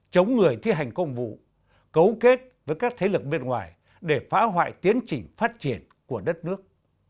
chống người thi hành công vụ cấu kết với các thế lực bên ngoài để phá hoại tiến trình phát triển của đất nước